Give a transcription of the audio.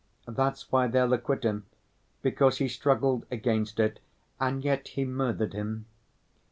That's why they'll acquit him, because he struggled against it and yet he murdered him."